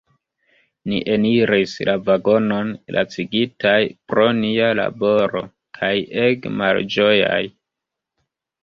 Ni eniris la vagonon lacigitaj pro nia laboro kaj ege malĝojaj.